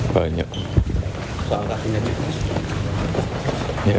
banyak soal anggotanya juga